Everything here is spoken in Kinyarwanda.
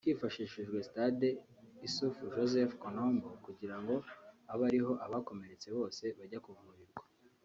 Hifashishijwe Stade yitiriwe Issoufou Joseph Conombo kugira ngo abe ari ho abakomeretse bose bajya kuvurirwa